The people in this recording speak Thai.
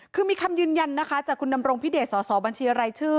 คือมีคำยืนยันนะคะจากคุณดำรงพิเดชสสบัญชีรายชื่อ